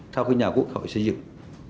theo cái nhà quốc hội xây dựng